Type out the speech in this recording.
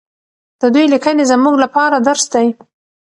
د دوی لیکنې زموږ لپاره درس دی.